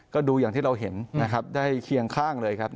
ก็ดูอย่างที่เราเห็นนะครับได้เคียงข้างเลยครับ